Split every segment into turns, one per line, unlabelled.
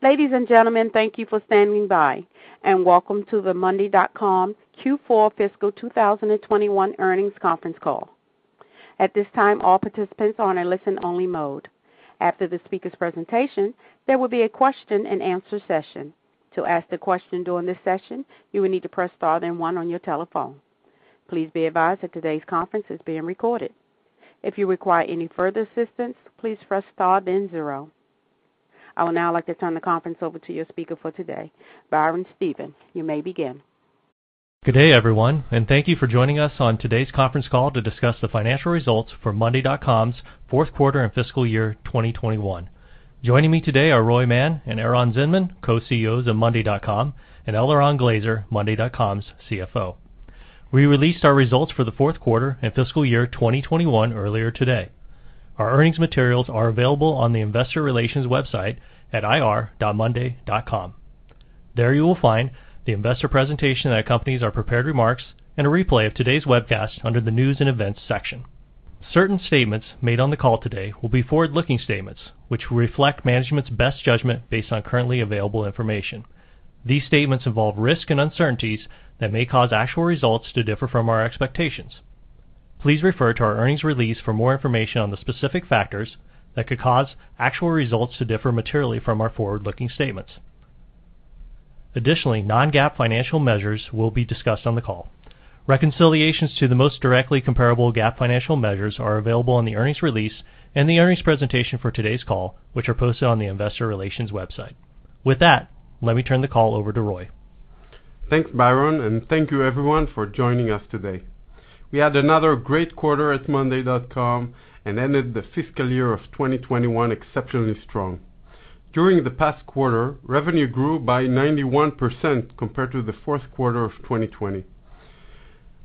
Ladies and gentlemen, thank you for standing by, and welcome to the monday.com Q4 Fiscal 2021 Earnings Conference Call. At this time, all participants are in a listen only mode. After the speaker's presentation, there will be a question and answer session. To ask the question during this session, you will need to press star then one on your telephone. Please be advised that today's conference is being recorded. If you require any further assistance, please press star then zero. I would now like to turn the conference over to your speaker for today, Byron Stephen. You may begin.
Good day, everyone, and thank you for joining us on today's conference call to discuss the financial results for monday.com's Q4 and fiscal year 2021. Joining me today are Roy Mann and Eran Zinman, Co-CEOs of monday.com, and Eliran Glazer, monday.com's CFO. We released our results for Q4 and fiscal year 2021 earlier today. Our earnings materials are available on the investor relations website at ir.monday.com. There you will find the investor presentation that accompanies our prepared remarks and a replay of today's webcast under the News and Events section. Certain statements made on the call today will be forward-looking statements which will reflect management's best judgment based on currently available information. These statements involve risks and uncertainties that may cause actual results to differ from our expectations. Please refer to our earnings release for more information on the specific factors that could cause actual results to differ materially from our forward-looking statements. Additionally, non-GAAP financial measures will be discussed on the call. Reconciliations to the most directly comparable GAAP financial measures are available in the earnings release and the earnings presentation for today's call, which are posted on the investor relations website. With that, let me turn the call over to Roy.
Thanks, Byron, and thank you everyone for joining us today. We had another great quarter at monday.com and ended the fiscal year of 2021 exceptionally strong. During the past quarter, revenue grew by 91% compared to Q4 of 2020.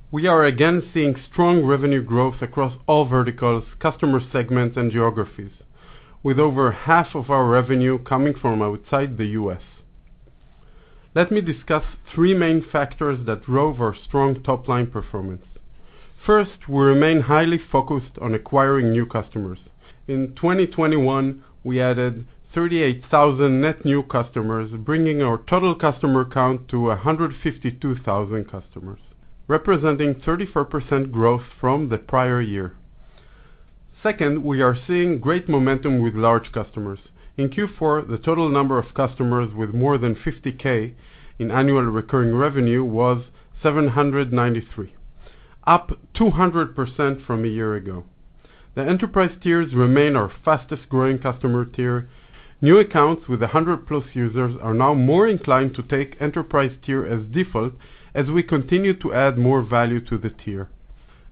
We are again seeing strong revenue growth across all verticals, customer segments and geographies, with over half of our revenue coming from outside the U.S. Let me discuss three main factors that drove our strong top-line performance. First, we remain highly focused on acquiring new customers. In 2021, we added 38,000 net new customers, bringing our total customer count to 152,000 customers, representing 34% growth from the prior year. Second, we are seeing great momentum with large customers. In Q4, the total number of customers with more than 50,000 in annual recurring revenue was 793, up 200% from a year ago. The enterprise tiers remain our fastest growing customer tier. New accounts with a 100+ users are now more inclined to take enterprise tier as default as we continue to add more value to the tier.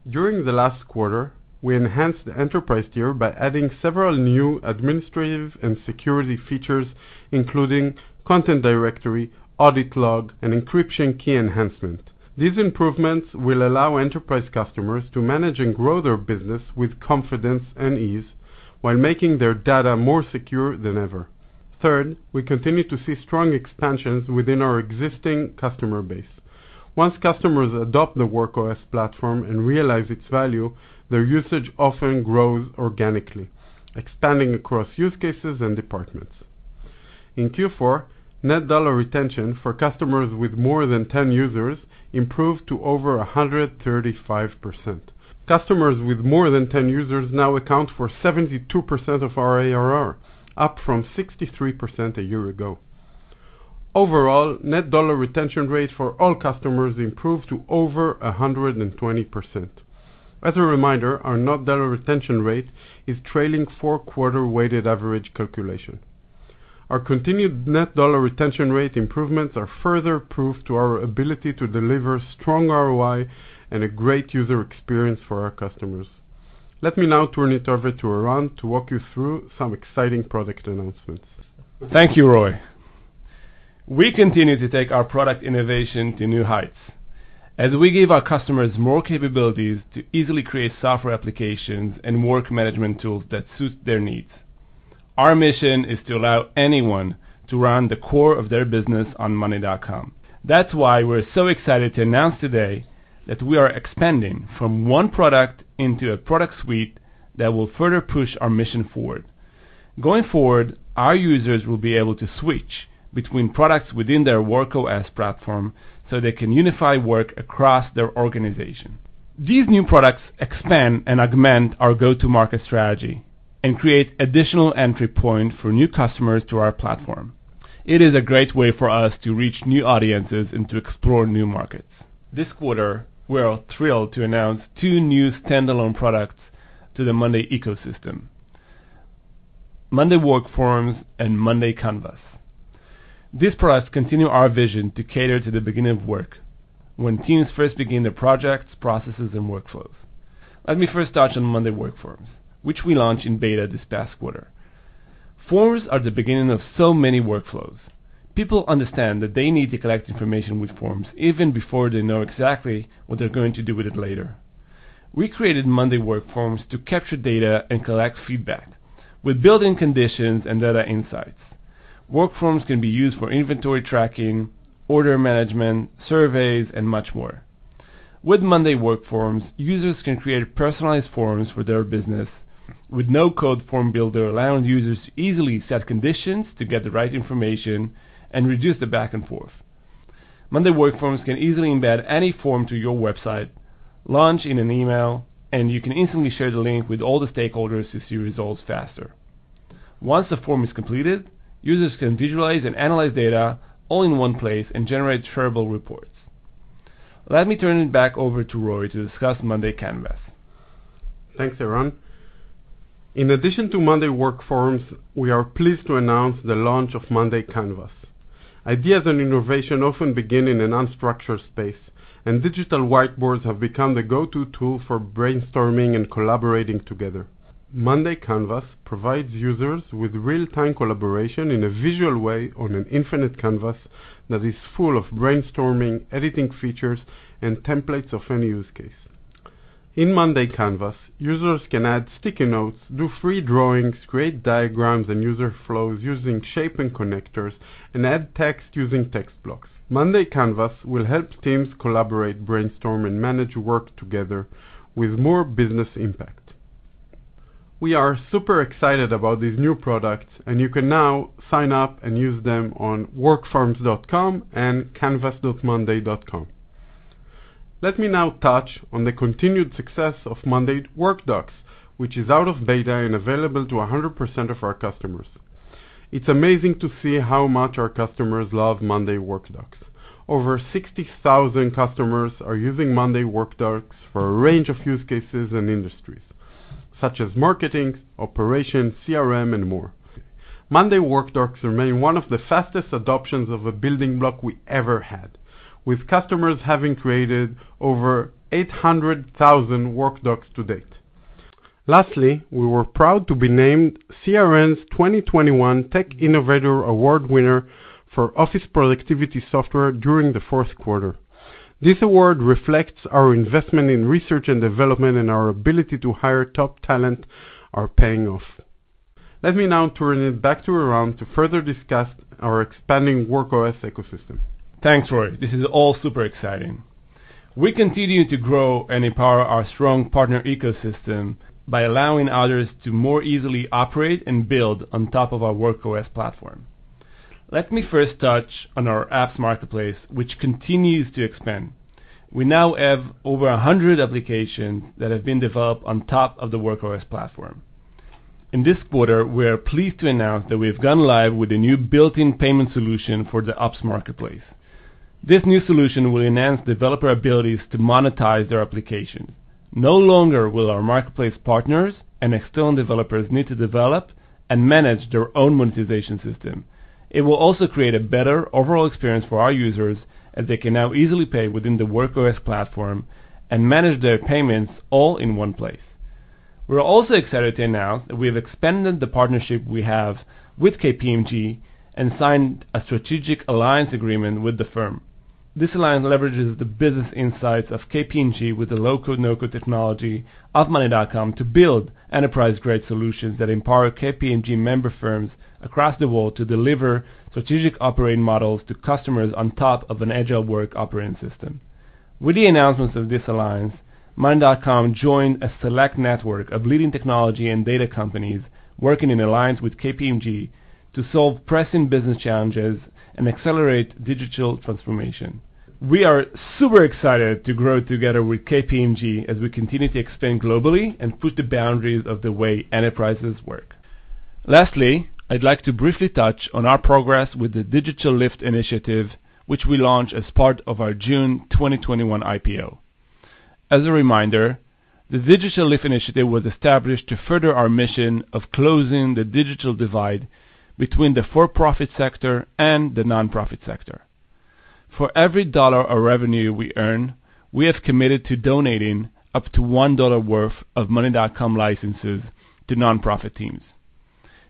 During the last quarter, we enhanced the enterprise tier by adding several new administrative and security features, including content directory, audit log, and encryption key enhancement. These improvements will allow enterprise customers to manage and grow their business with confidence and ease while making their data more secure than ever. Third, we continue to see strong expansions within our existing customer base. Once customers adopt the Work OS platform and realize its value, their usage often grows organically, expanding across use cases and departments. In Q4, net dollar retention for customers with more than 10 users improved to over 135%. Customers with more than 10 users now account for 72% of our ARR, up from 63% a year ago. Overall, net dollar retention rate for all customers improved to over 120%. As a reminder, our net dollar retention rate is trailing four-quarter weighted average calculation. Our continued net dollar retention rate improvements are further proof to our ability to deliver strong ROI and a great user experience for our customers. Let me now turn it over to Eran to walk you through some exciting product announcements.
Thank you, Roy. We continue to take our product innovation to new heights as we give our customers more capabilities to easily create software applications and work management tools that suit their needs. Our mission is to allow anyone to run the core of their business on monday.com. That's why we're so excited to announce today that we are expanding from one product into a product suite that will further push our mission forward. Going forward, our users will be able to switch between products within their Work OS platform so they can unify work across their organization. These new products expand and augment our go-to market strategy and create additional entry point for new customers to our platform. It is a great way for us to reach new audiences and to explore new markets. This quarter, we are thrilled to announce two new standalone products to the monday.com ecosystem, monday WorkForms and monday Canvas. These products continue our vision to cater to the beginning of work when teams first begin their projects, processes and workflows. Let me first touch on monday WorkForms, which we launched in beta this past quarter. Forms are the beginning of so many workflows. People understand that they need to collect information with forms even before they know exactly what they're going to do with it later. We created monday WorkForms to capture data and collect feedback with built-in conditions and data insights. monday WorkForms can be used for inventory tracking, order management, surveys, and much more. With monday WorkForms, users can create personalized forms for their business with no-code form builder, allowing users to easily set conditions to get the right information and reduce the back and forth. monday WorkForms can easily embed any form to your website, launch in an email, and you can instantly share the link with all the stakeholders to see results faster. Once the form is completed, users can visualize and analyze data all in one place and generate shareable reports. Let me turn it back over to Roy to discuss monday Canvas.
Thanks, Eran. In addition to monday WorkForms, we are pleased to announce the launch of monday Canvas. Ideas and innovation often begin in an unstructured space, and digital whiteboards have become the go-to tool for brainstorming and collaborating together. monday Canvas provides users with real-time collaboration in a visual way on an infinite canvas that is full of brainstorming, editing features, and templates of any use case. In monday Canvas, users can add sticky notes, do free drawings, create diagrams and user flows using shape and connectors, and add text using text blocks. monday Canvas will help teams collaborate, brainstorm, and manage work together with more business impact. We are super excited about these new products, and you can now sign up and use them on workforms.com and canvas.monday.com. Let me now touch on the continued success of monday workdocs, which is out of beta and available to 100% of our customers. It's amazing to see how much our customers love monday workdocs. Over 60,000 customers are using monday workdocs for a range of use cases and industries, such as marketing, operations, CRM, and more. monday workdocs remain one of the fastest adoptions of a building block we ever had, with customers having created over 800,000 workdocs to date. Lastly, we were proud to be named CRN's 2021 Tech Innovator Award winner for office productivity software during the fourth quarter. This award reflects our investment in research and development and our ability to hire top talent are paying off. Let me now turn it back to Eran to further discuss our expanding Work OS ecosystem.
Thanks, Roy. This is all super exciting. We continue to grow and empower our strong partner ecosystem by allowing others to more easily operate and build on top of our Work OS platform. Let me first touch on our apps marketplace, which continues to expand. We now have over 100 applications that have been developed on top of the Work OS platform. In this quarter, we are pleased to announce that we have gone live with a new built-in payment solution for the apps marketplace. This new solution will enhance developer abilities to monetize their application. No longer will our marketplace partners and external developers need to develop and manage their own monetization system. It will also create a better overall experience for our users as they can now easily pay within the Work OS platform and manage their payments all in one place. We're also excited to announce that we have expanded the partnership we have with KPMG and signed a strategic alliance agreement with the firm. This alliance leverages the business insights of KPMG with the low-code/no-code technology of monday.com to build enterprise-grade solutions that empower KPMG member firms across the world to deliver strategic operating models to customers on top of an agile work operating system. With the announcements of this alliance, monday.com joined a select network of leading technology and data companies working in alliance with KPMG to solve pressing business challenges and accelerate digital transformation. We are super excited to grow together with KPMG as we continue to expand globally and push the boundaries of the way enterprises work. Lastly, I'd like to briefly touch on our progress with the Digital Lift Initiative, which we launched as part of our June 2021 IPO. As a reminder, the Digital Lift Initiative was established to further our mission of closing the digital divide between the for-profit sector and the nonprofit sector. For every $1 of revenue we earn, we have committed to donating up to $1 worth of monday.com licenses to nonprofit teams.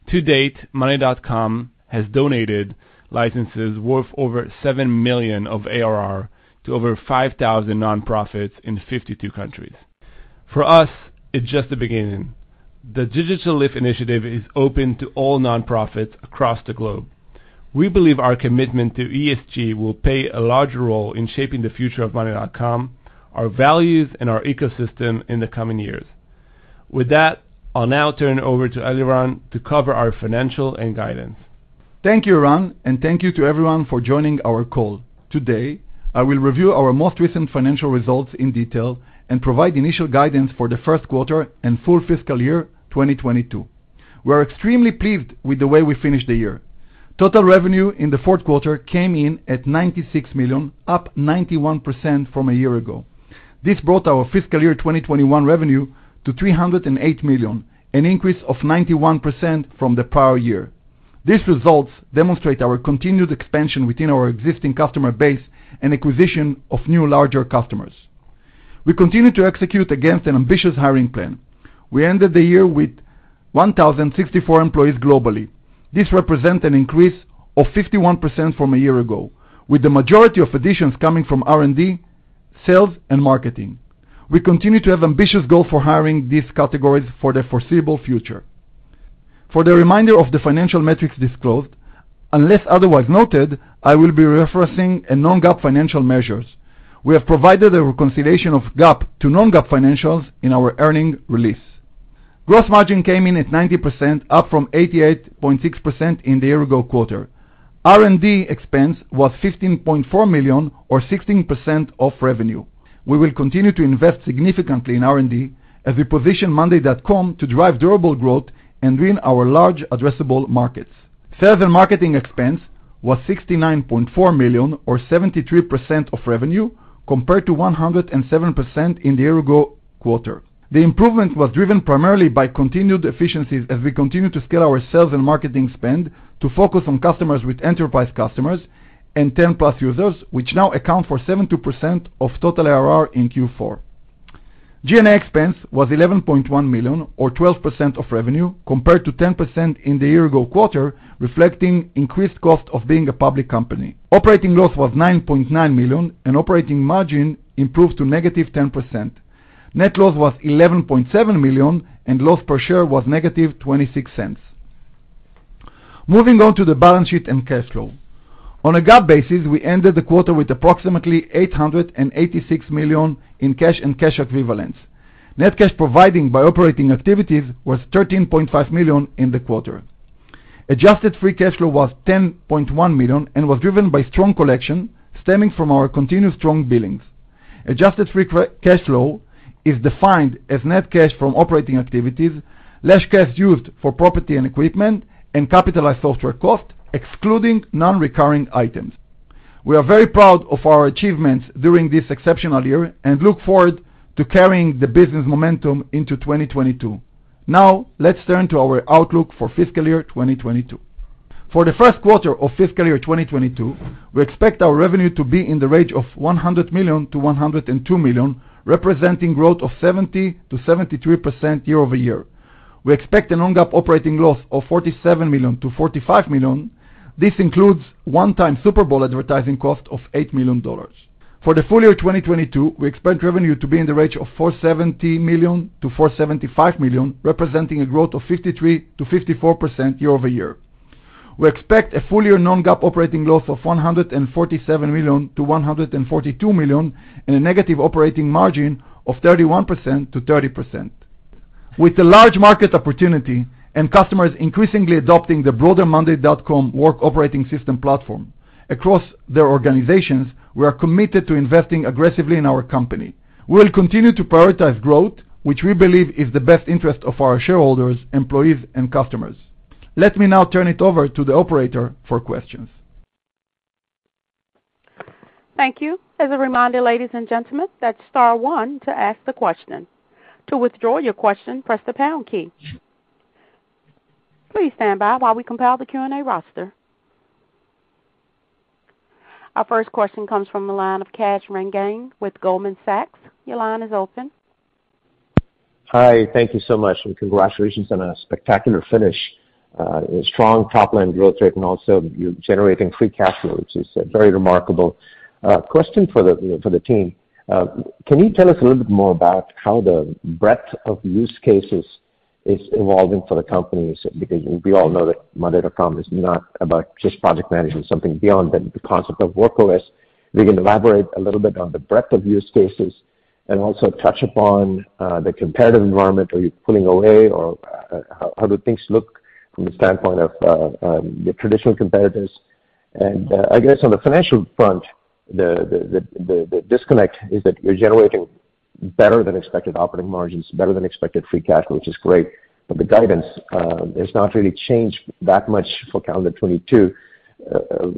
To date, monday.com has donated licenses worth over $7 million of ARR to over 5,000 nonprofits in 52 countries. For us, it's just the beginning. The Digital Lift Initiative is open to all nonprofits across the globe. We believe our commitment to ESG will play a large role in shaping the future of monday.com, our values, and our ecosystem in the coming years. With that, I'll now turn it over to Eliran Glazer to cover our financials and guidance.
Thank you, Eran, and thank you to everyone for joining our call. Today, I will review our most recent financial results in detail and provide initial guidance for Q1 and full fiscal year 2022. We are extremely pleased with the way we finished the year. Total revenue in Q4 came in at $96 million, up 91% from a year ago. This brought our fiscal year 2021 revenue to $308 million, an increase of 91% from the prior year. These results demonstrate our continued expansion within our existing customer base and acquisition of new larger customers. We continue to execute against an ambitious hiring plan. We ended the year with 1,064 employees globally. This represent an increase of 51% from a year ago, with the majority of additions coming from R&D, sales, and marketing. We continue to have ambitious goal for hiring these categories for the foreseeable future. For the remainder of the financial metrics disclosed, unless otherwise noted, I will be referencing a non-GAAP financial measures. We have provided a reconciliation of GAAP to non-GAAP financials in our earnings release. Gross margin came in at 90%, up from 88.6% in the year-ago quarter. R&D expense was $15.4 million or 16% of revenue. We will continue to invest significantly in R&D as we position monday.com to drive durable growth and win our large addressable markets. Sales and marketing expense was $69.4 million or 73% of revenue, compared to 107% in the year-ago quarter. The improvement was driven primarily by continued efficiencies as we continue to scale our sales and marketing spend to focus on customers with enterprise customers and 10+ users, which now account for 72% of total ARR in Q4. G&A expense was $11.1 million or 12% of revenue, compared to 10% in the year ago quarter, reflecting increased cost of being a public company. Operating loss was $9.9 million, and operating margin improved to -10%. Net loss was $11.7 million, and loss per share was -0.26. Moving on to the balance sheet and cash flow. On a GAAP basis, we ended the quarter with approximately $886 million in cash and cash equivalents. Net cash provided by operating activities was $13.5 million in the quarter. Adjusted free cash flow was $10.1 million and was driven by strong collection stemming from our continued strong billings. Adjusted free cash flow is defined as net cash from operating activities less cash used for property and equipment, and capitalized software costs, excluding non-recurring items. We are very proud of our achievements during this exceptional year and look forward to carrying the business momentum into 2022. Now, let's turn to our outlook for fiscal year 2022. For Q1 of fiscal year 2022, we expect our revenue to be in the range of $100-102 million, representing growth of 70%-73% year-over-year. We expect a non-GAAP operating loss of $47-45 million. This includes one-time Super Bowl advertising cost of $8 million. For the full year 2022, we expect revenue to be in the range of $470-475 million, representing a growth of 53%-54% year-over-year. We expect a full year non-GAAP operating loss of $147-142 million and a negative operating margin of 31%-30%. With the large market opportunity and customers increasingly adopting the broader monday.com work operating system platform across their organizations, we are committed to investing aggressively in our company. We'll continue to prioritize growth, which we believe is the best interest of our shareholders, employees, and customers. Let me now turn it over to the operator for questions.
Thank you. As a reminder, ladies and gentlemen, that's star one to ask the question. To withdraw your question, press the pound key. Please stand by while we compile the Q&A roster. Our first question comes from the line of Kash Rangan with Goldman Sachs. Your line is open.
Hi. Thank you so much, and congratulations on a spectacular finish, a strong top-line growth rate, and also you're generating free cash flow, which is very remarkable. Question for the, you know, for the team. Can you tell us a little bit more about how the breadth of use cases is evolving for the company? Because we all know that monday.com is not about just project management, something beyond the concept of work list. If you can elaborate a little bit on the breadth of use cases and also touch upon the competitive environment. Are you pulling away or how do things look from the standpoint of the traditional competitors? I guess on the financial front, the disconnect is that you're generating better than expected operating margins, better than expected free cash, which is great. The guidance has not really changed that much for calendar 2022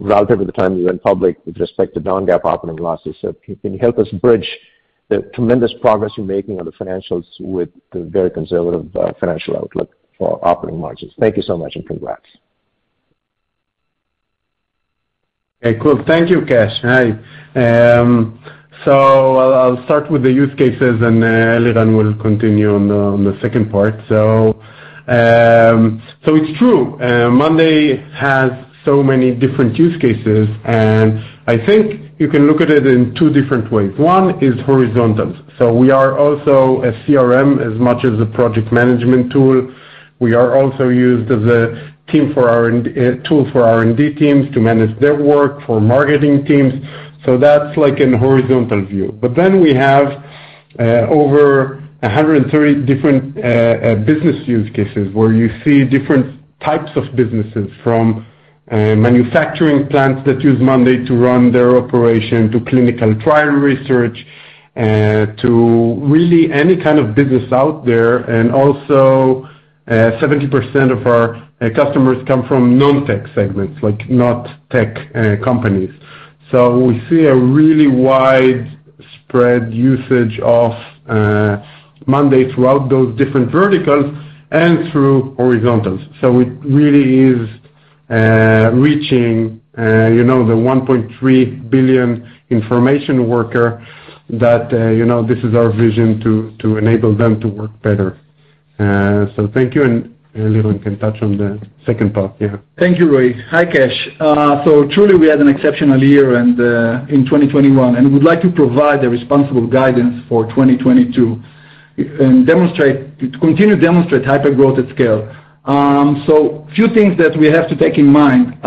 relative to the time you went public with respect to non-GAAP operating losses. If you can help us bridge the tremendous progress you're making on the financials with the very conservative financial outlook for operating margins. Thank you so much, and congrats.
Okay, cool. Thank you, Kash. Hi. I'll start with the use cases and, Eliran will continue on the second part. It's true. monday has so many different use cases, and I think you can look at it in two different ways. One is horizontal. We are also a CRM as much as a project management tool. We are also used as a tool for R&D teams to manage their work, for marketing teams. That's like in horizontal view. We have over 130 different business use cases where you see different types of businesses from manufacturing plants that use monday to run their operation, to clinical trial research, to really any kind of business out there. Also, 70% of our customers come from non-tech segments, like, not tech companies. We see a really widespread usage of monday.com throughout those different verticals and through horizontals. It really is reaching, you know, the 1.3 billion information worker that, you know, this is our vision to enable them to work better. Thank you, and Eliran can touch on the second part. Yeah.
Thank you, Roy. Hi, Kash. Truly, we had an exceptional year and in 2021, and we would like to provide a responsible guidance for 2022 to continue to demonstrate hypergrowth at scale. A few things that we have to take in mind.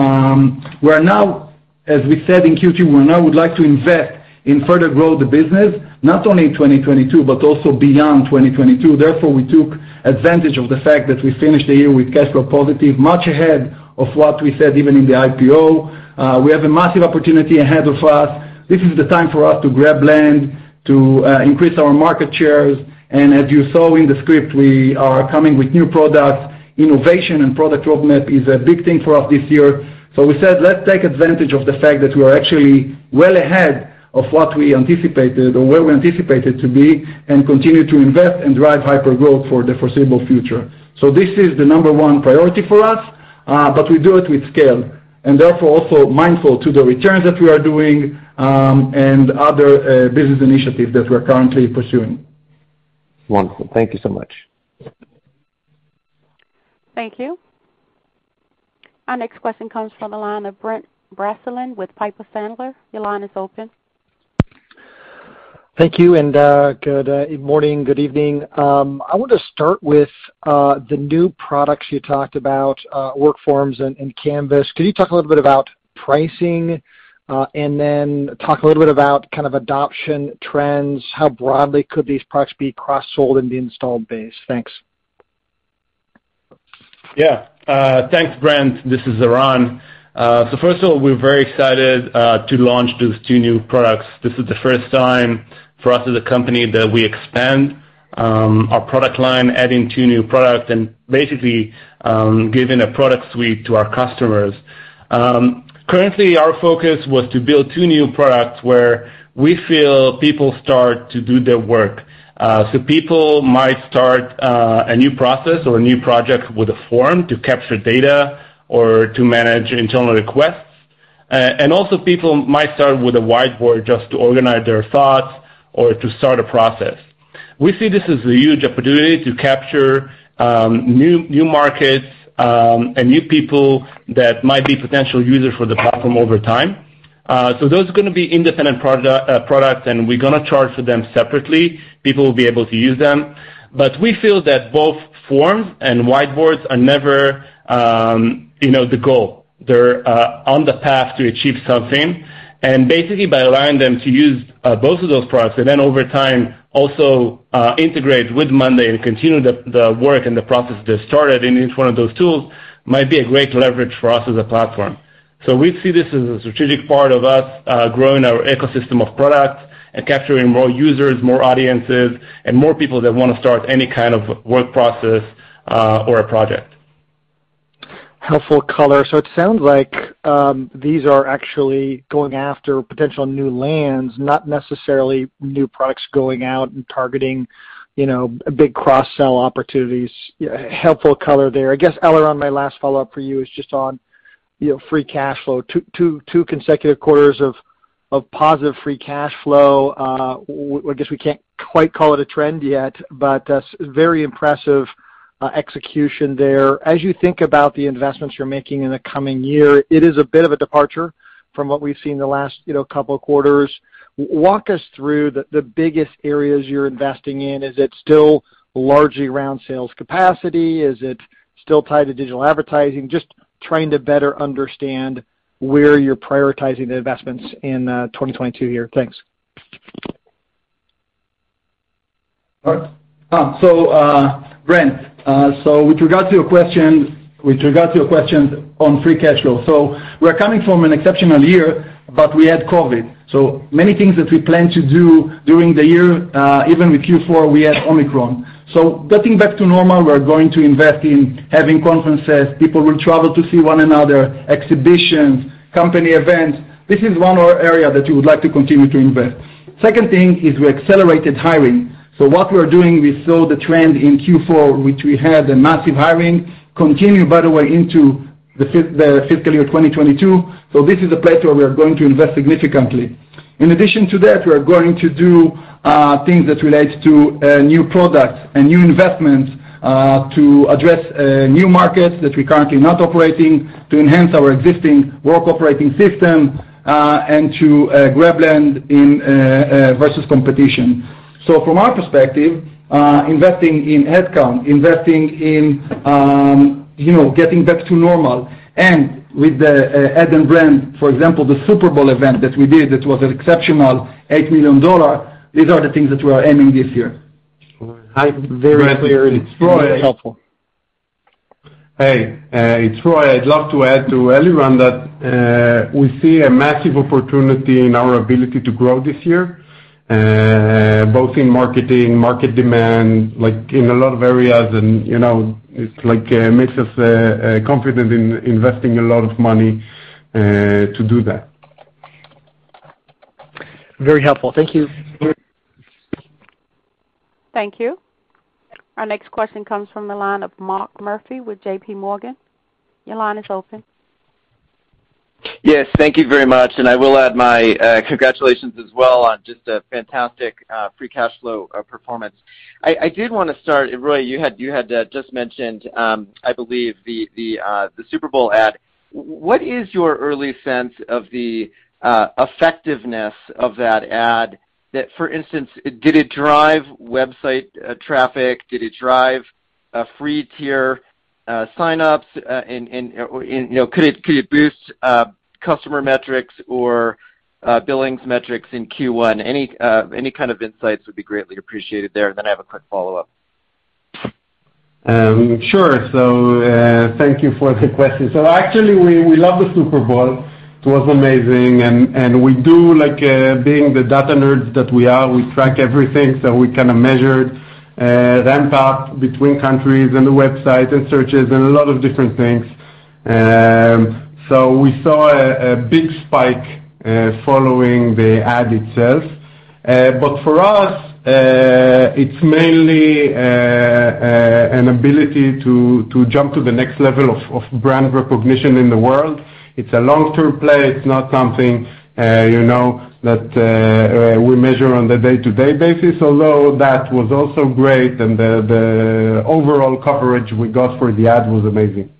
We're now, as we said in Q2, we now would like to invest and further grow the business, not only in 2022 but also beyond 2022. Therefore, we took advantage of the fact that we finished the year with cash flow positive, much ahead of what we said even in the IPO. We have a massive opportunity ahead of us. This is the time for us to grab land, to increase our market shares. As you saw in the script, we are coming with new products. Innovation and product roadmap is a big thing for us this year. We said, let's take advantage of the fact that we are actually well ahead of what we anticipated or where we anticipated to be and continue to invest and drive hypergrowth for the foreseeable future. This is the number one priority for us, but we do it with scale, and therefore also mindful to the returns that we are doing, and other business initiatives that we're currently pursuing.
Wonderful. Thank you so much.
Thank you. Our next question comes from the line of Brent Bracelin with Piper Sandler. Your line is open.
Thank you, and good morning, good evening. I want to start with the new products you talked about, WorkForms and Canvas. Could you talk a little bit about pricing, and then talk a little bit about kind of adoption trends? How broadly could these products be cross-sold in the installed base? Thanks.
Yeah. Thanks, Brent. This is Eran. First of all, we're very excited to launch those two new products. This is the first time for us as a company that we expand our product line, adding two new products and basically giving a product suite to our customers. Currently, our focus was to build two new products where we feel people start to do their work. People might start a new process or a new project with a form to capture data or to manage internal requests. Also people might start with a whiteboard just to organize their thoughts or to start a process. We see this as a huge opportunity to capture new markets and new people that might be potential users for the platform over time. Those are gonna be independent products, and we're gonna charge for them separately. People will be able to use them. We feel that both forms and whiteboards are never, you know, the goal. They're on the path to achieve something. Basically, by allowing them to use both of those products, and then over time also integrate with Monday and continue the work and the process they started in each one of those tools might be a great leverage for us as a platform. We see this as a strategic part of us growing our ecosystem of products and capturing more users, more audiences, and more people that wanna start any kind of work process or a project.
Helpful color. It sounds like these are actually going after potential new lands, not necessarily new products going out and targeting, you know, big cross-sell opportunities. Helpful color there. I guess, Eran, my last follow-up for you is just on, you know, free cash flow. Two consecutive quarters of positive free cash flow. I guess we can't quite call it a trend yet, but that's very impressive execution there. As you think about the investments you're making in the coming year, it is a bit of a departure from what we've seen in the last, you know, couple of quarters. Walk us through the biggest areas you're investing in. Is it still largely around sales capacity? Is it still tied to digital advertising? Just trying to better understand where you're prioritizing the investments in 2022 here. Thanks.
Brent, with regards to your question on free cash flow, we're coming from an exceptional year, but we had COVID. Many things that we planned to do during the year, even with Q4, we had Omicron. Getting back to normal, we're going to invest in having conferences, people will travel to see one another, exhibitions, company events. This is one more area that we would like to continue to invest. Second thing is we accelerated hiring. What we're doing, we saw the trend in Q4, which we had a massive hiring, continue, by the way, into the fiscal year 2022. This is a place where we are going to invest significantly. In addition to that, we are going to do things that relates to new products and new investments to address new markets that we're currently not operating, to enhance our existing Work Operating System and to grab land in versus competition. From our perspective, investing in headcount, investing in you know, getting back to normal and with the ad and brand, for example, the Super Bowl event that we did that was exceptional, $8 million, these are the things that we are aiming this year.
All right. Very clear and helpful.
It's Roy. Hey, it's Roy. I'd love to add to Eran that we see a massive opportunity in our ability to grow this year, both in marketing, market demand, like in a lot of areas and, you know, it's like makes us confident in investing a lot of money to do that.
Very helpful. Thank you.
Thank you. Our next question comes from the line of Mark Murphy with JPMorgan. Your line is open. Yes. Thank you very much, and I will add my congratulations as well on just a fantastic free cash flow performance. I did want to start, and Roy, you had just mentioned, I believe the Super Bowl ad.
What is your early sense of the effectiveness of that ad? That for instance, did it drive website traffic? Did it drive a free tier sign-ups, and you know, could it boost customer metrics or billings metrics in Q1? Any kind of insights would be greatly appreciated there. I have a quick follow-up.
Sure. Thank you for the question. Actually, we love the Super Bowl. It was amazing. We do like being the data nerds that we are, we track everything. We kind of measured ramp-up between countries and the website and searches and a lot of different things. We saw a big spike following the ad itself. For us, it's mainly an ability to jump to the next level of brand recognition in the world. It's a long-term play. It's not something you know that we measure on a day-to-day basis, although that was also great, and the overall coverage we got for the ad was amazing.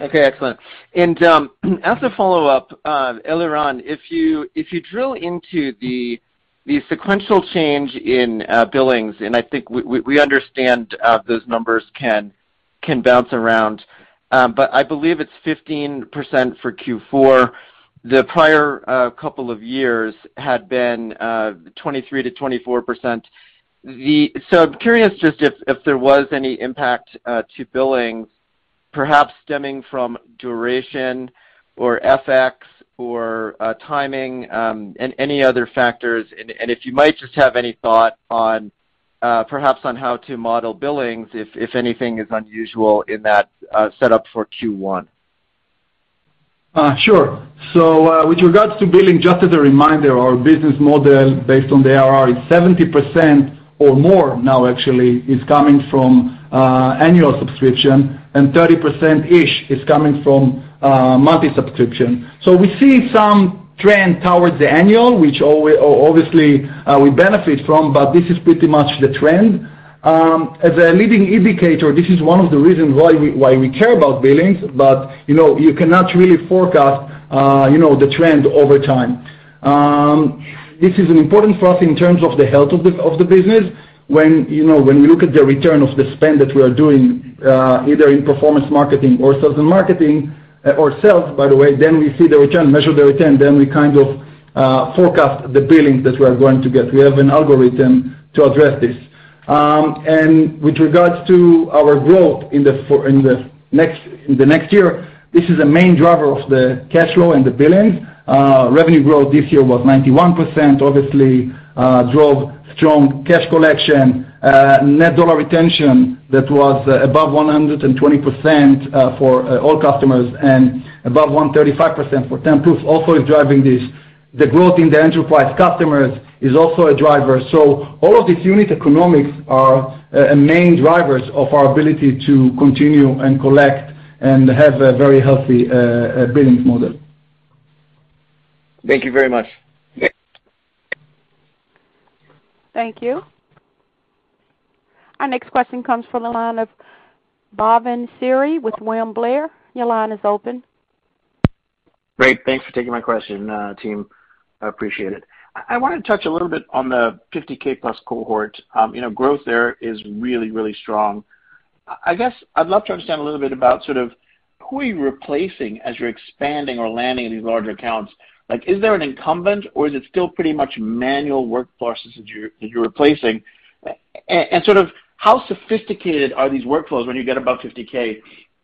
Excellent. As a follow-up, Eliran, if you drill into the sequential change in billings, and I think we understand those numbers can bounce around. But I believe it's 15% for Q4. The prior couple of years had been 23%-24%. I'm curious just if there was any impact to billings, perhaps stemming from duration or FX or timing, and any other factors. If you might just have any thought on perhaps how to model billings if anything is unusual in that setup for Q1.
With regards to billing, just as a reminder, our business model based on the ARR is 70% or more now actually is coming from annual subscription, and 30%-ish is coming from monthly subscription. We see some trend towards the annual, which obviously we benefit from, but this is pretty much the trend. As a leading indicator, this is one of the reasons why we care about billings, but you know, you cannot really forecast you know, the trend over time. This is important for us in terms of the health of the business. When you know we look at the return of the spend that we are doing, either in performance marketing or social marketing or sales, by the way, then we see the return, measure the return, then we kind of forecast the billings that we are going to get. We have an algorithm to address this. With regards to our growth in the next year, this is a main driver of the cash flow and the billings. Revenue growth this year was 91%, obviously, drove strong cash collection. Net dollar retention that was above 120% for all customers and above 135% for 10+ also is driving this. The growth in the enterprise customers is also a driver. All of these unit economics are main drivers of our ability to continue and collect and have a very healthy billings model.
Thank you very much.
Thank you. Our next question comes from the line of Bhavin Shah with William Blair. Your line is open.
Great. Thanks for taking my question, team. I appreciate it. I wanted to touch a little bit on the 50,000+ cohort. You know, growth there is really strong. I guess I'd love to understand a little bit about sort of who are you replacing as you're expanding or landing these larger accounts. Like, is there an incumbent or is it still pretty much manual workflows that you're replacing? And sort of how sophisticated are these workflows when you get above 50,000?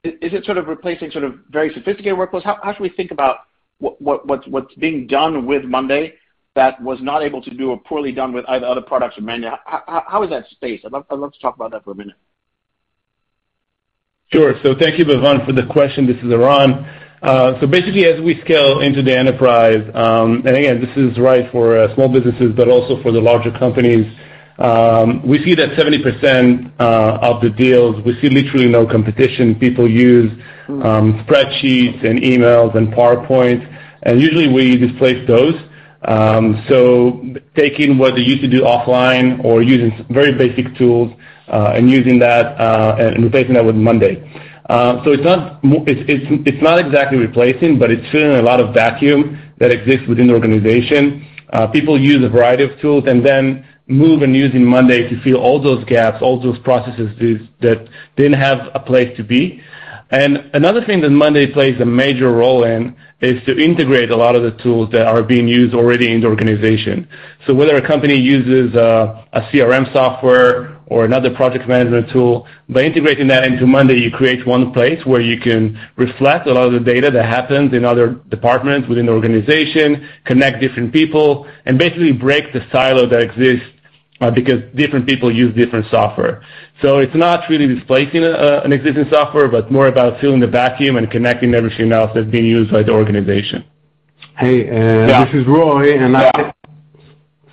Is it sort of replacing very sophisticated workflows? How should we think about what's being done with monday that was not able to do or poorly done with either other products or manual? How is that space? I'd love to talk about that for a minute.
Sure. Thank you, Bhavin, for the question. This is Eran. Basically, as we scale into the enterprise, and again, this is right for small businesses but also for the larger companies, we see that 70% of the deals, we see literally no competition. People use spreadsheets and emails and PowerPoints, and usually we displace those. Taking what they used to do offline or using very basic tools, and using that, and replacing that with monday. It's not exactly replacing, but it's filling a lot of vacuum that exists within the organization. People use a variety of tools and then move to using monday to fill all those gaps, all those processes that didn't have a place to be. Another thing that monday plays a major role in is to integrate a lot of the tools that are being used already in the organization. Whether a company uses a CRM software or another project management tool, by integrating that into monday, you create one place where you can reflect a lot of the data that happens in other departments within the organization, connect different people, and basically break the silo that exists because different people use different software. It's not really displacing an existing software, but more about filling the vacuum and connecting everything else that's being used by the organization.
Hey, this is Roy, and I'm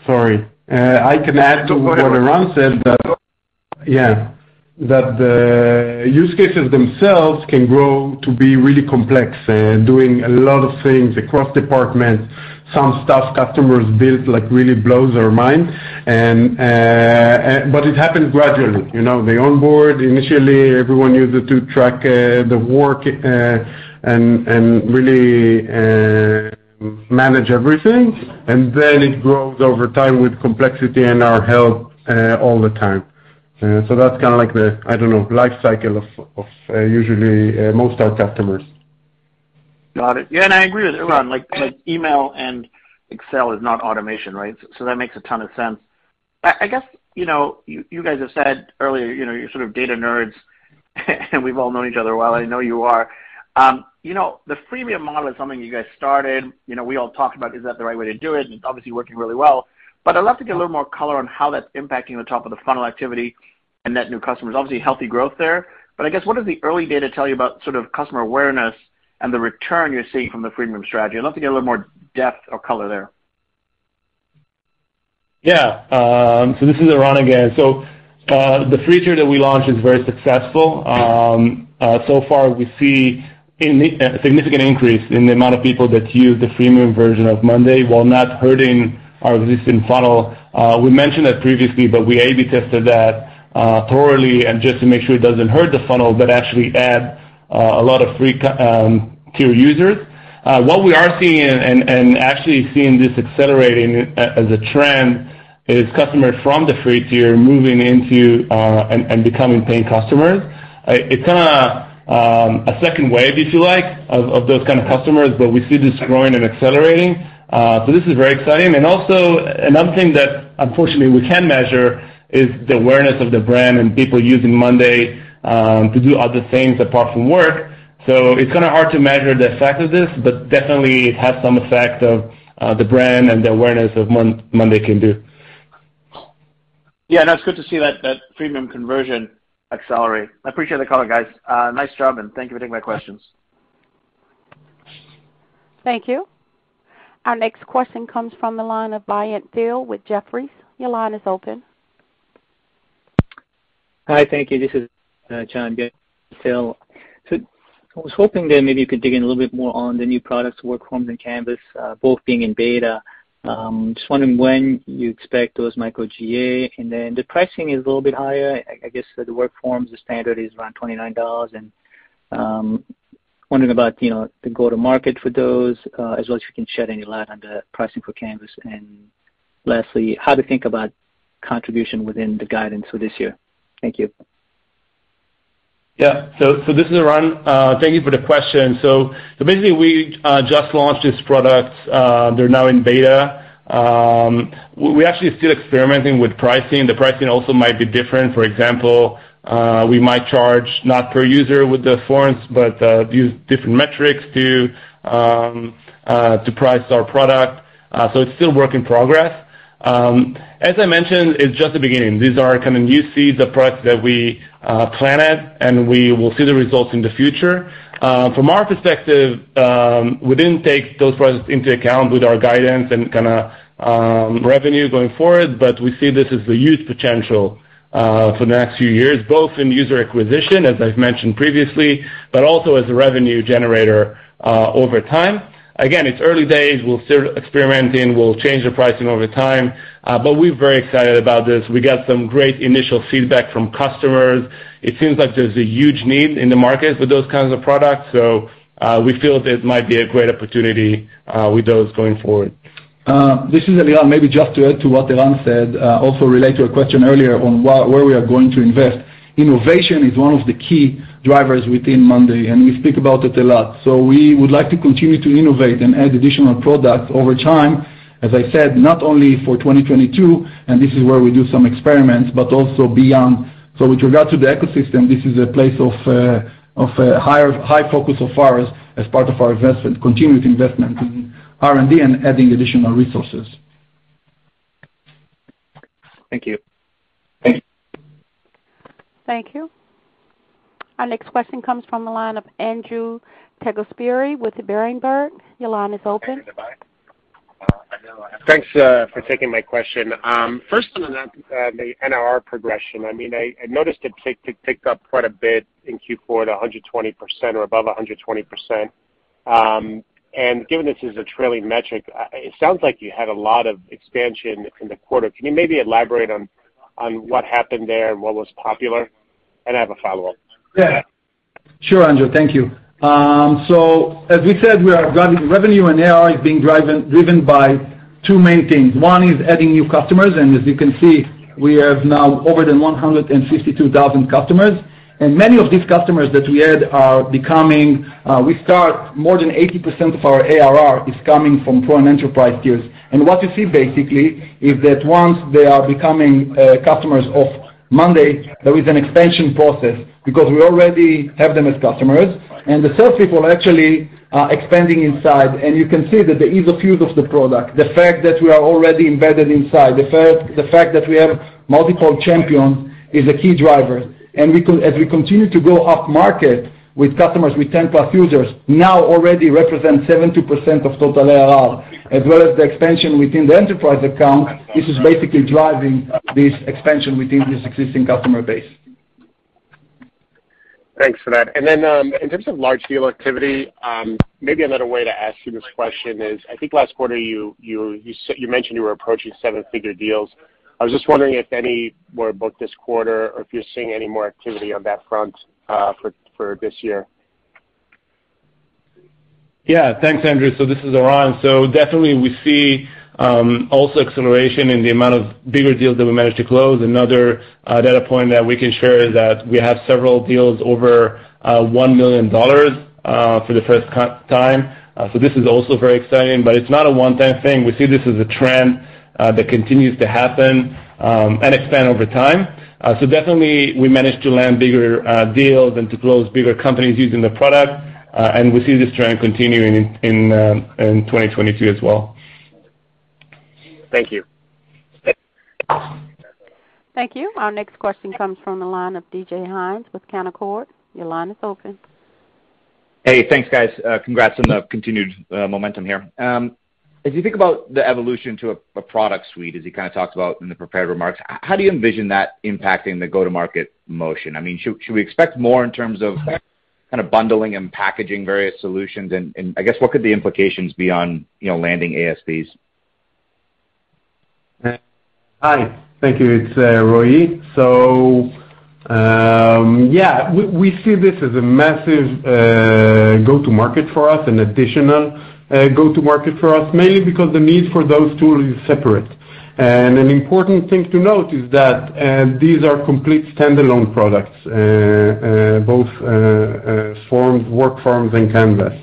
sorry. I can add to what Eran said, yeah, the use cases themselves can grow to be really complex, doing a lot of things across departments. Some stuff customers build like really blows our mind, but it happens gradually. You know, they onboard. Initially, everyone uses it to track the work and really manage everything. It grows over time with complexity and our help all the time. That's kinda like the, I don't know, life cycle of usually most of our customers.
Got it. Yeah, I agree with Eran, like, email and Excel is not automation, right? That makes a ton of sense. I guess, you know, you guys have said earlier, you know, you're sort of data nerds, and we've all known each other a while, I know you are. You know, the freemium model is something you guys started. You know, we all talked about is that the right way to do it, and it's obviously working really well. I'd love to get a little more color on how that's impacting the top of the funnel activity and net new customers. Obviously, healthy growth there, but I guess what does the early data tell you about sort of customer awareness and the return you're seeing from the freemium strategy? I'd love to get a little more depth or color there.
Yeah. This is Eran again. The free tier that we launched is very successful. So far we see a significant increase in the amount of people that use the freemium version of monday, while not hurting our existing funnel. We mentioned that previously, but we A/B tested that thoroughly and just to make sure it doesn't hurt the funnel, but actually add a lot of free tier users. What we are seeing and actually seeing this accelerating as a trend is customers from the free tier moving into and becoming paying customers. It's kinda a second wave, if you like, of those kind of customers, but we see this growing and accelerating. This is very exciting. Another thing that unfortunately we can't measure is the awareness of the brand and people using monday.com to do other things apart from work. It's kinda hard to measure the effect of this, but definitely it has some effect of the brand and the awareness of monday.com can do.
Yeah, no, it's good to see that freemium conversion accelerate. I appreciate the color, guys. Nice job, and thank you for taking my questions.
Thank you. Our next question comes from the line of Brent Thill with Jefferies. Your line is open.
Hi, thank you. This is John Byun. I was hoping that maybe you could dig in a little bit more on the new products, WorkForms and Canvas, both being in beta. Just wondering when you expect those might go GA. Then the pricing is a little bit higher. I guess for the WorkForms, the standard is around $29. Wondering about, you know, the go-to-market for those, as well as if you can shed any light on the pricing for Canvas. Lastly, how to think about contribution within the guidance for this year. Thank you.
This is Eran. Thank you for the question. Basically we just launched these products. They're now in beta. We actually are still experimenting with pricing. The pricing also might be different. For example, we might charge not per user with the forms, but use different metrics to price our product. It's still work in progress. As I mentioned, it's just the beginning. These are kind of new seeds of products that we planted, and we will see the results in the future. From our perspective, we didn't take those products into account with our guidance and kinda revenue going forward, but we see this as the huge potential for the next few years, both in user acquisition, as I've mentioned previously, but also as a revenue generator over time. Again, it's early days. We're still experimenting. We'll change the pricing over time. We're very excited about this. We got some great initial feedback from customers. It seems like there's a huge need in the market for those kinds of products, so we feel that it might be a great opportunity with those going forward.
This is Eliran. Maybe just to add to what Eran said, also relate to a question earlier on where we are going to invest. Innovation is one of the key drivers within monday, and we speak about it a lot. We would like to continue to innovate and add additional products over time, as I said, not only for 2022, and this is where we do some experiments, but also beyond. With regard to the ecosystem, this is a place of high focus of ours as part of our investment, continued investment in R&D and adding additional resources.
Thank you.
Thank you.
Thank you. Our next question comes from the line of Andrew DeGasperi with Berenberg. Your line is open.
Thanks for taking my question. First on the NRR progression. I mean, I noticed it ticked up quite a bit in Q4 to 120% or above 120%. Given this is a trailing metric, it sounds like you had a lot of expansion in the quarter. Can you maybe elaborate on what happened there and what was popular? I have a follow-up.
Yeah. Sure, Andrew. Thank you. As we said, we are driving revenue, and ARR is being driven by two main things. One is adding new customers, and as you can see, we have now more than 152,000 customers. Many of these customers that we add, more than 80% of our ARR is coming from Pro and Enterprise tiers. What you see basically is that once they become customers of monday.com, there is an expansion process because we already have them as customers, and the sales people actually are expanding inside. You can see that the ease of use of the product, the fact that we are already embedded inside, the fact that we have multiple champions is a key driver. As we continue to go upmarket with customers with 10+ users now already represent 72% of total ARR, as well as the expansion within the enterprise account, this is basically driving this expansion within this existing customer base.
Thanks for that. In terms of large deal activity, maybe another way to ask you this question is, I think last quarter you mentioned you were approaching seven-figure deals. I was just wondering if any were booked this quarter or if you're seeing any more activity on that front, for this year.
Yeah. Thanks, Andrew. This is Eran. Definitely we see also acceleration in the amount of bigger deals that we managed to close. Another data point that we can share is that we have several deals over $1 million for the first time. This is also very exciting, but it's not a one-time thing. We see this as a trend that continues to happen and expand over time. Definitely we managed to land bigger deals and to close bigger companies using the product, and we see this trend continuing in 2022 as well.
Thank you.
Thank you. Our next question comes from the line of David Hynes with Canaccord. Your line is open.
Hey, thanks, guys. Congrats on the continued momentum here. As you think about the evolution to a product suite, as you kinda talked about in the prepared remarks, how do you envision that impacting the go-to-market motion? I mean, should we expect more in terms of kind of bundling and packaging various solutions? I guess what could the implications be on, you know, landing ASPs?
Hi. Thank you. It's Roy. Yeah, we see this as a massive go-to-market for us, an additional go-to-market for us, mainly because the need for those tools is separate. An important thing to note is that these are complete standalone products, both WorkForms, and Canvas.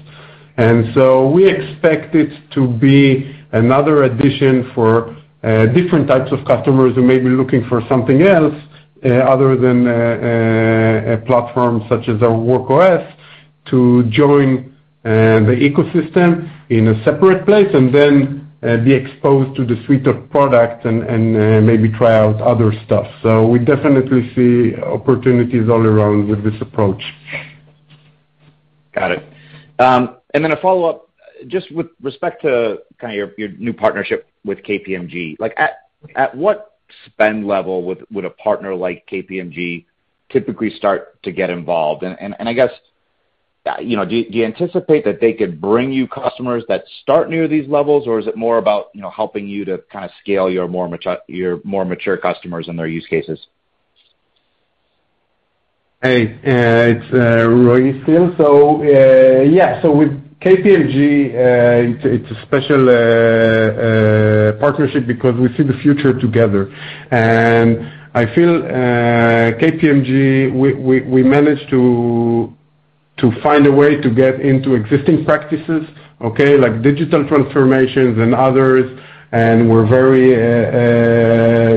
We expect it to be another addition for different types of customers who may be looking for something else other than a platform such as our Work OS, to join the ecosystem in a separate place and then be exposed to the suite of products and maybe try out other stuff. We definitely see opportunities all around with this approach.
Got it. A follow-up, just with respect to kinda your new partnership with KPMG. Like at what spend level would a partner like KPMG typically start to get involved? And I guess, you know, do you anticipate that they could bring you customers that start near these levels? Or is it more about, you know, helping you to kinda scale your more mature customers and their use cases?
Hey, it's Roy still. Yeah. With KPMG, it's a special partnership because we see the future together. I feel KPMG, we managed to find a way to get into existing practices, okay, like digital transformations and others, and we're very,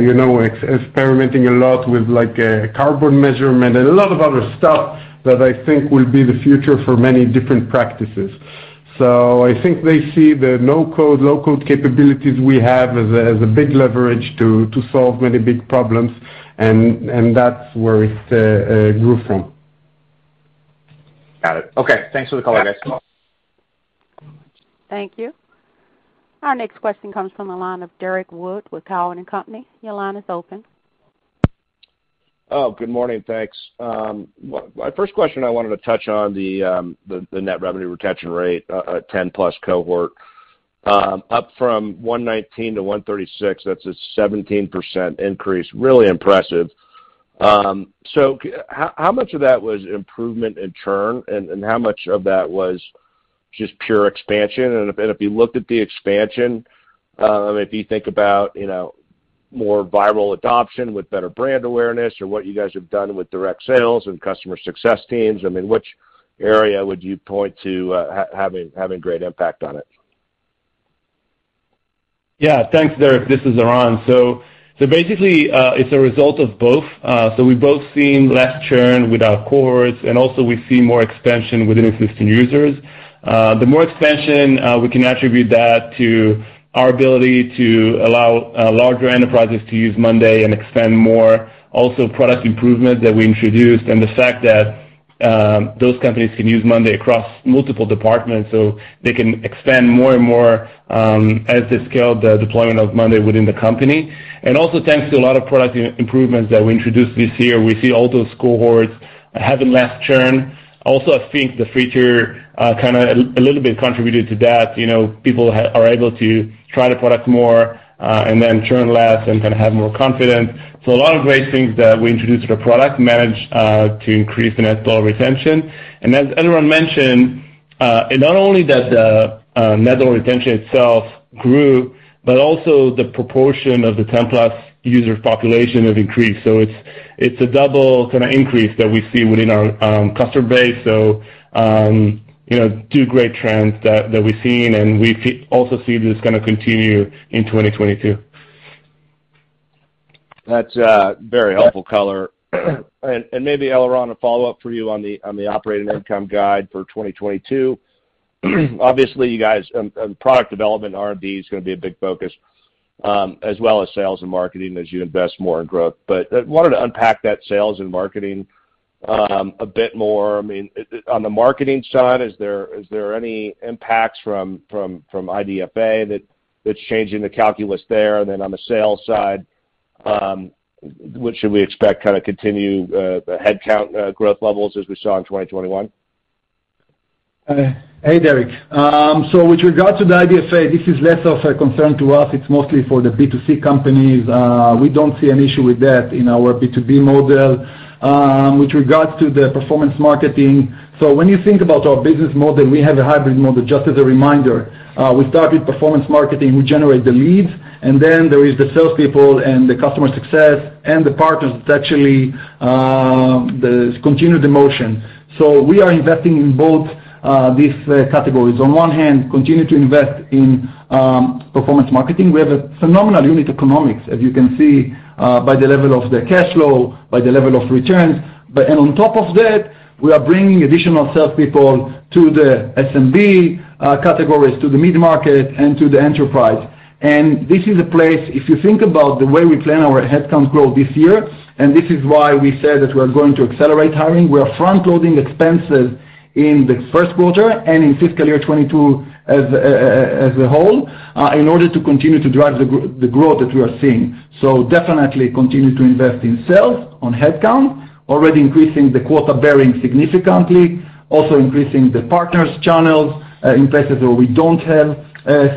you know, experimenting a lot with like, carbon measurement and a lot of other stuff that I think will be the future for many different practices. I think they see the no-code, low-code capabilities we have as a big leverage to solve many big problems and that's where it grew from.
Got it. Okay. Thanks for the color, guys.
Thank you. Our next question comes from the line of Derrick Wood with Cowen and Company. Your line is open.
Good morning. Thanks. Well, my first question I wanted to touch on the net revenue retention rate, 10+ cohort, up from $119 to 136 million, that's a 17% increase, really impressive. How much of that was improvement in churn, and how much of that was just pure expansion? If you looked at the expansion, if you think about, you know, more viral adoption with better brand awareness or what you guys have done with direct sales and customer success teams, I mean, which area would you point to, having great impact on it?
Yeah. Thanks, Derek. This is Eran. Basically, it's a result of both. We've both seen less churn with our cohorts, and also we see more expansion within existing users. The more expansion, we can attribute that to our ability to allow larger enterprises to use monday and expand more, also product improvement that we introduced and the fact that those companies can use monday across multiple departments, so they can expand more and more as they scale the deployment of monday within the company. Thanks to a lot of product improvements that we introduced this year, we see all those cohorts having less churn. Also, I think the free tier kinda a little bit contributed to that. You know, people are able to try the product more, and then churn less and kinda have more confidence. A lot of great things that we introduced to the product managed to increase the net dollar retention. As Eran mentioned, and not only that the net dollar retention itself grow, but also the proportion of the 10+ user population have increased. It's a double kinda increase that we see within our customer base. You know, two great trends that we've seen, and we also see this gonna continue in 2022.
That's very helpful color. Maybe, Eran, a follow-up for you on the operating income guide for 2022. Obviously, you guys, product development and R&D is gonna be a big focus, as well as sales and marketing as you invest more in growth. I wanted to unpack that sales and marketing a bit more. I mean, on the marketing side, is there any impacts from IDFA that's changing the calculus there. On the sales side, what should we expect, kinda continue the headcount growth levels as we saw in 2021?
Hey, Derek. With regards to the IDFA, this is less of a concern to us. It's mostly for the B2C companies. We don't see an issue with that in our B2B model. With regards to the performance marketing, so when you think about our business model, we have a hybrid model, just as a reminder. We started performance marketing, we generate the leads, and then there is the salespeople and the customer success and the partners that actually continue the motion. We are investing in both, these categories. On one hand, continue to invest in performance marketing. We have a phenomenal unit economics, as you can see, by the level of the cash flow, by the level of returns. On top of that, we are bringing additional salespeople to the SMB categories, to the mid-market and to the enterprise. This is a place, if you think about the way we plan our headcount growth this year, and this is why we said that we are going to accelerate hiring. We are front-loading expenses in Q1 and in fiscal year 2022 as a whole, in order to continue to drive the growth that we are seeing. Definitely continue to invest in sales on headcount, already increasing the quota bearing significantly, also increasing the partners channels, in places where we don't have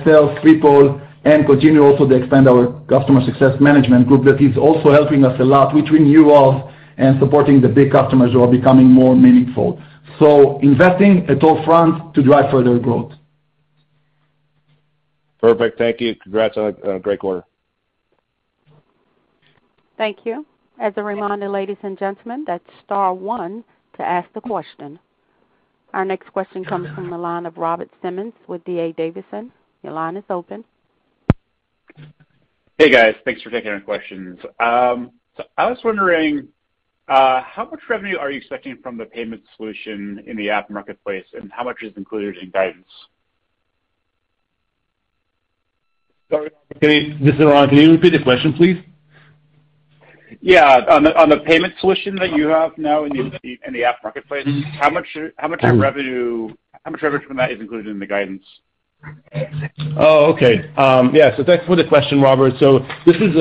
sales people and continue also to expand our customer success management group that is also helping us a lot with renewal and supporting the big customers who are becoming more meaningful. Investing at all fronts to drive further growth.
Perfect. Thank you. Congrats on a great quarter.
Thank you. As a reminder, ladies and gentlemen, that's star one to ask the question. Our next question comes from the line of Robert Simmons with D.A. Davidson. Your line is open.
Hey, guys. Thanks for taking our questions. I was wondering, how much revenue are you expecting from the payment solution in the app marketplace, and how much is included in guidance?
Sorry, this is Eran Zinman. Can you repeat the question, please?
Yeah. On the payment solution that you have now in the app marketplace, how much revenue from that is included in the guidance?
Oh, okay. Yeah. Thanks for the question, Robert. This is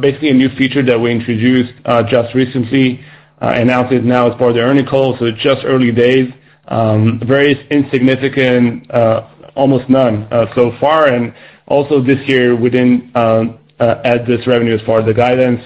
basically a new feature that we introduced just recently, announced it now as part of the earnings call, so it's just early days. Very insignificant, almost none so far. Also this year, we didn't add this revenue as far as the guidance.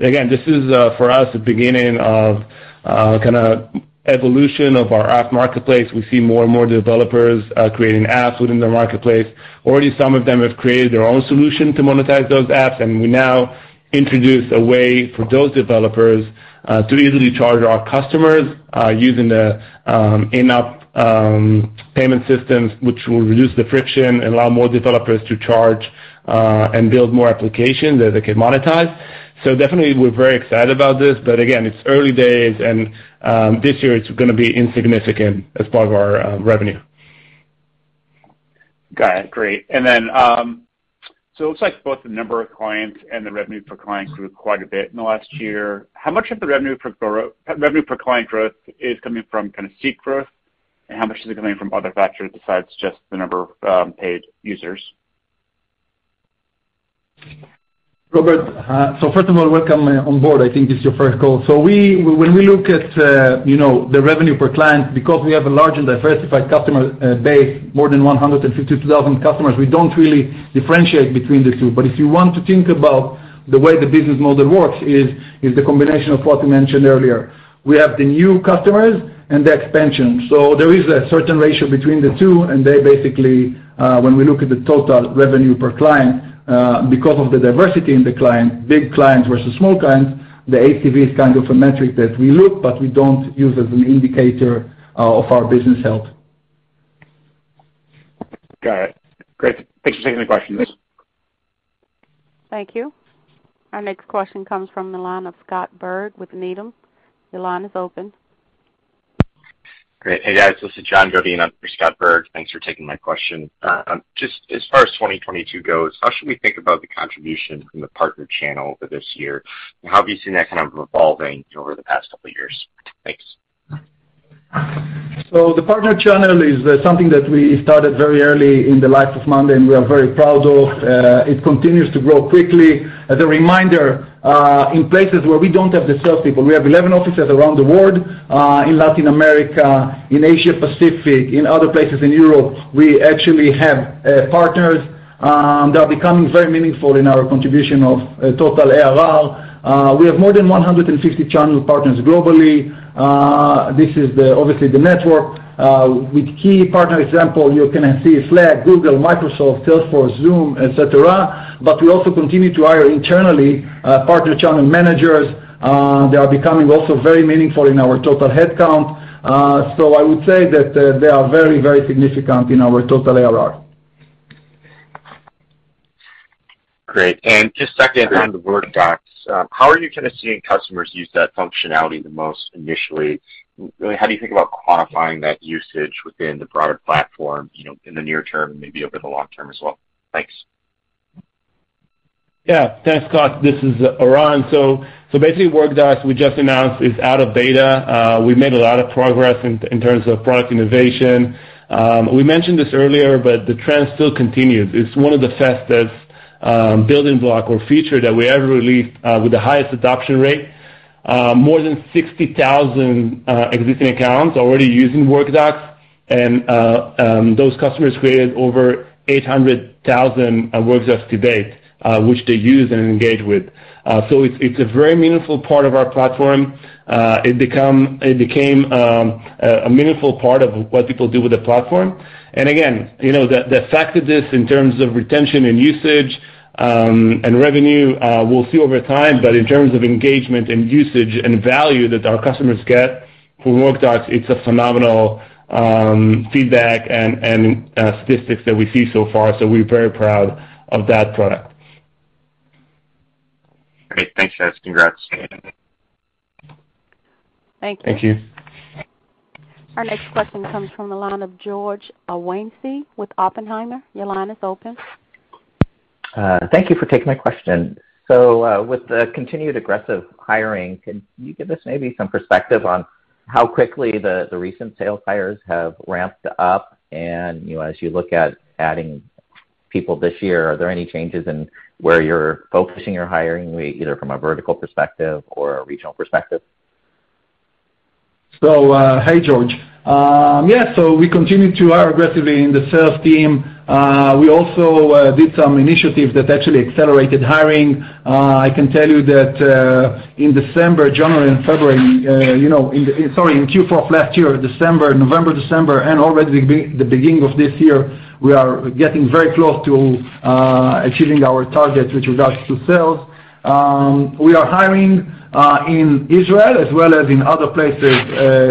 Again, this is for us, the beginning of kinda evolution of our app marketplace. We see more and more developers creating apps within the marketplace. Already, some of them have created their own solution to monetize those apps, and we now introduce a way for those developers to easily charge our customers using the in-app payment systems, which will reduce the friction and allow more developers to charge and build more applications that they can monetize. Definitely, we're very excited about this. Again, it's early days, and this year it's gonna be insignificant as part of our revenue.
Got it. Great. It looks like both the number of clients and the revenue per client grew quite a bit in the last year. How much of the revenue per client growth is coming from kinda seat growth, and how much is it coming from other factors besides just the number of paid users?
Robert, first of all, welcome on board. I think it's your first call. When we look at, you know, the revenue per client, because we have a large and diversified customer base, more than 152,000 customers, we don't really differentiate between the two. If you want to think about the way the business model works is the combination of what we mentioned earlier. We have the new customers and the expansion. There is a certain ratio between the two, and they basically, when we look at the total revenue per client, because of the diversity in the clients, big clients versus small clients, the ATV is kind of a metric that we look, but we don't use as an indicator of our business health.
Got it. Great. Thanks for taking the questions.
Thank you. Our next question comes from the line of Scott Berg with Needham. Your line is open.
Great. Hey, guys, this is John Godin under Scott Berg. Thanks for taking my question. Just as far as 2022 goes, how should we think about the contribution from the partner channel for this year? And how have you seen that kind of evolving over the past couple of years? Thanks.
The partner channel is something that we started very early in the life of monday.com, and we are very proud of. It continues to grow quickly. As a reminder, in places where we don't have the sales people, we have 11 offices around the world, in Latin America, in Asia Pacific, in other places in Europe, we actually have partners that are becoming very meaningful in our contribution of total ARR. We have more than 150 channel partners globally. This is obviously the network with key partner example, you can see Slack, Google, Microsoft, Salesforce, Zoom, et cetera. We also continue to hire internally partner channel managers. They are becoming also very meaningful in our total headcount. I would say that they are very, very significant in our total ARR.
Great. Just second on the monday workdocs, how are you kinda seeing customers use that functionality the most initially? How do you think about quantifying that usage within the broader platform, you know, in the near term and maybe over the long term as well? Thanks.
Yeah. Thanks, Scott. This is Eran. Basically workdocs we just announced is out of beta. We made a lot of progress in terms of product innovation. We mentioned this earlier, but the trend still continues. It's one of the fastest building block or feature that we ever released with the highest adoption rate. More than 60,000 existing accounts already using workdocs. Those customers created over 800,000 workdocs to date, which they use and engage with. It's a very meaningful part of our platform. It became a meaningful part of what people do with the platform. Again, you know, the fact that this, in terms of retention and usage, and revenue, we'll see over time, but in terms of engagement and usage and value that our customers get from workdocs, it's a phenomenal feedback and statistics that we see so far. We're very proud of that product.
Great. Thanks guys. Congrats.
Thank you.
Thank you.
Our next question comes from the line of George Iwanyc with Oppenheimer. Your line is open.
Thank you for taking my question. With the continued aggressive hiring, can you give us maybe some perspective on how quickly the recent sales hires have ramped up? You know, as you look at adding people this year, are there any changes in where you're focusing your hiring, either from a vertical perspective or a regional perspective?
Hey, George. We continue to hire aggressively in the sales team. We also did some initiatives that actually accelerated hiring. I can tell you that in December, January, and February, in Q4 of last year, November and December, and already the beginning of this year, we are getting very close to achieving our targets with regards to sales. We are hiring in Israel as well as in other places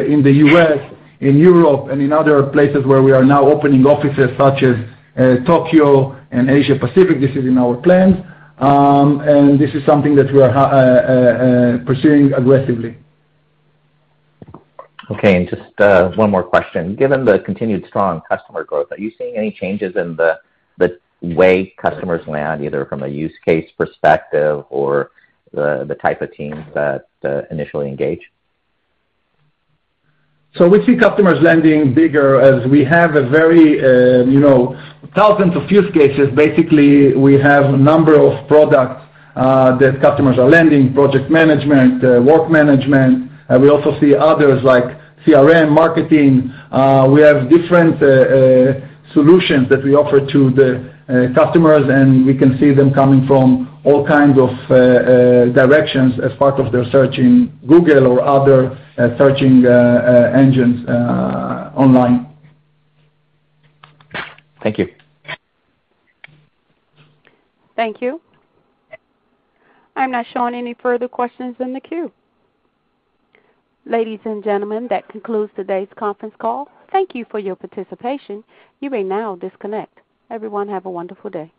in the U.S., in Europe and in other places where we are now opening offices such as Tokyo and Asia Pacific. This is in our plans. This is something that we are pursuing aggressively.
Okay. Just one more question. Given the continued strong customer growth, are you seeing any changes in the way customers land, either from a use case perspective or the type of teams that initially engage?
We see customers landing bigger as we have a very, you know, thousands of use cases. Basically, we have a number of products that customers are landing, project management, work management. We also see others like CRM, marketing. We have different solutions that we offer to the customers, and we can see them coming from all kinds of directions as part of their search in Google or other searching engines online.
Thank you.
Thank you. I'm not showing any further questions in the queue. Ladies and gentlemen, that concludes today's conference call. Thank you for your participation. You may now disconnect. Everyone, have a wonderful day.